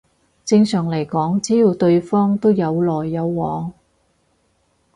正常嚟講只要對方都有來有往